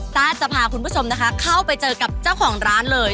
ต้าจะพาคุณผู้ชมนะคะเข้าไปเจอกับเจ้าของร้านเลย